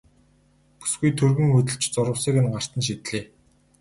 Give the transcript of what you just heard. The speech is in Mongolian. Бүсгүй түргэн хөдөлж зурвасыг гарт нь шидлээ.